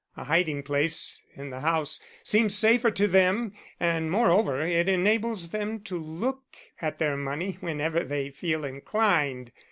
A hiding place in the house seems safer to them, and, moreover, it enables them to look at their money whenever they feel inclined.